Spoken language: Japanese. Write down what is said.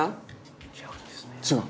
違う？